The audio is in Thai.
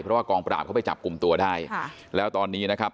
เพราะว่ากองปราบเขาไปจับกลุ่มตัวได้ค่ะแล้วตอนนี้นะครับ